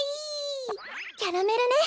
キャラメルね。